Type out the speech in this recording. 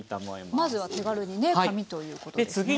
まずは手軽にね紙ということですね。